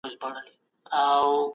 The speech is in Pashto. له ښځو او ماشومانو څخه جزيه مه اخلئ.